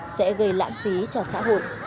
sẽ gây lãng phí cho xã hội